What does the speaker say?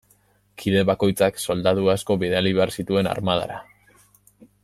Kide bakoitzak soldadu asko bidali behar zituen armadara.